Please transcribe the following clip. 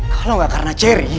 kalau gak karena ceri